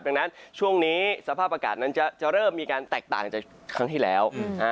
ดังนั้นช่วงนี้สภาพอากาศนั้นจะเริ่มมีการแตกต่างจากครั้งที่แล้ว